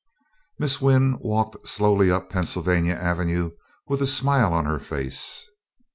Miss Wynn walked slowly up Pennsylvania Avenue with a smile on her face.